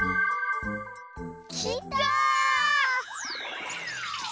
きた！